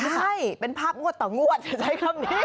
ใช่เป็นภาพงวดต่องวดจะใช้คำนี้